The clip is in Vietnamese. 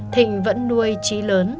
thịnh vẫn nuôi trí lớn